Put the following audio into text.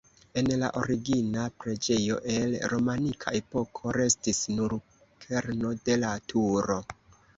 El la origina preĝejo el romanika epoko restis nur kerno de la turo.